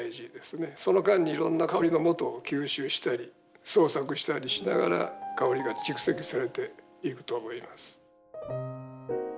その間にいろんな香りのもとを吸収したり創作したりしながら香りが蓄積されていくと思います。